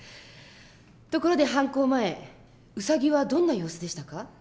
ところで犯行前ウサギはどんな様子でしたか？